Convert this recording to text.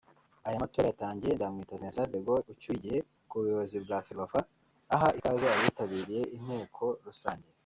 Aya matora yatangiye Nzamwita Vincent de Gaulle ucyuye igihe ku buyobozi bwa Ferwafa aha ikaze abitabiriye inteko rusange